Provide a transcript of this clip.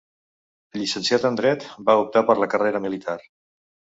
Llicenciat en Dret, va optar per la carrera militar.